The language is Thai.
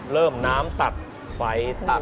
เริ่มน้ำตัดไฟตัด